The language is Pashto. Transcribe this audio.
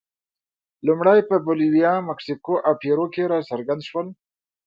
لومړی په بولیویا، مکسیکو او پیرو کې راڅرګند شول.